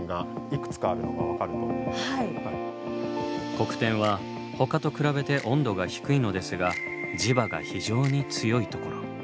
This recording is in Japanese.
黒点はほかと比べて温度が低いのですが磁場が非常に強いところ。